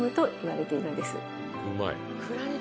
うまい。